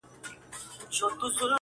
نړېدلي دېوالونه، دروازې د ښار پرتې دي،